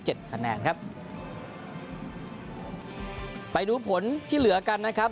คะแนนครับไปดูผลที่เหลือกันนะครับ